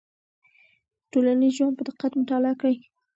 ټولنیز ژوند په دقت مطالعه کړئ.